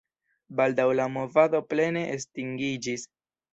Baldaŭ la movado plene estingiĝis.